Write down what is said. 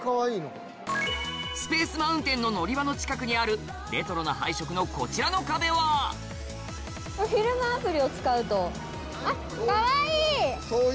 スペース・マウンテンの乗り場の近くにあるレトロな配色のこちらの壁はあっかわいい！